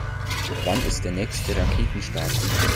Wann ist der nächste Raketenstart?